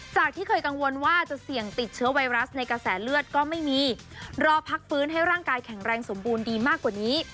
ที่เคยกังวลว่าจะเสี่ยงติดเชื้อไวรัสในกระแสเลือดก็ไม่มีรอพักฟื้นให้ร่างกายแข็งแรงสมบูรณ์ดีมากกว่านี้